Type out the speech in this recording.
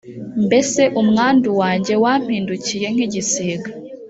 mbese umwandu wanjye wampindukiye nk’igisiga